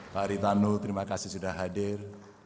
pak ritanu terima kasih sudah hadir